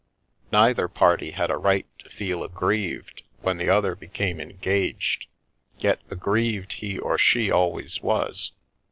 Neither party had a right to feel aggrieved when the other became engaged, yet aggrieved he or she always was.